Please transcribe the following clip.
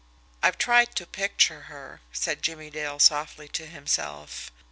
"I've tried to picture her," said Jimmie Dale softly to himself.